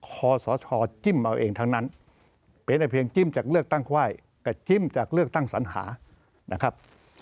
คอสชจิ้มเอาเองทั้งนั้นเป็นแต่เพียงจิ้มจากเลือกตั้งไข้กับจิ้มจากเลือกตั้งสัญหานะครับ